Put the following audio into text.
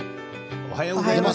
おはようございます。